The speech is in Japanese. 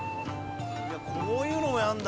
こういうのもやるんだ。